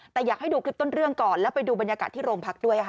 แต่อยากให้ดูคลิปต้นเรื่องก่อนแล้วไปดูบรรยากาศที่โรงพักด้วยค่ะ